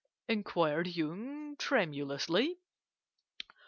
inquired Yung tremulously.